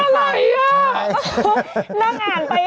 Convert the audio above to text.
ตาหลายอะ